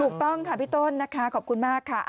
ถูกต้องค่ะพี่ต้นนะคะขอบคุณมากค่ะ